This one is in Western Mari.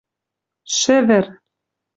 ШӸВӸР